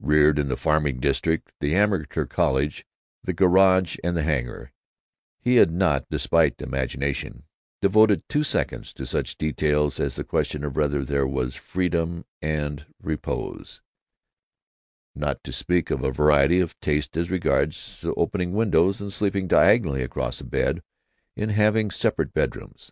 Reared in the farming district, the amateur college, the garage, and the hangar, he had not, despite imagination, devoted two seconds to such details as the question of whether there was freedom and repose—not to speak of a variety of taste as regards opening windows and sleeping diagonally across a bed—in having separate bedrooms.